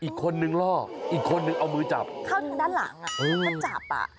อีกคนนึงรออีกคนนึงเอามือจับเครื่องนี้ด้านหลังอะคนจับอ่ะ